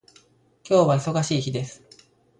今日は忙しい日です